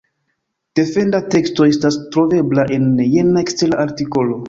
Defenda teksto estas trovebla en jena ekstera artikolo.